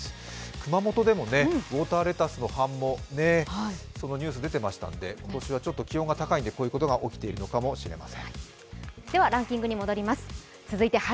熊本でもウオーターレタスの繁茂、そのニュースが出ていましたので今年はちょっと気温が高いのでこういったことが起きているのかもしれません。